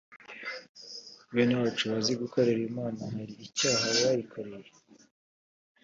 Bene wacu bazi gukorera Imana hari icyaha bayikoreye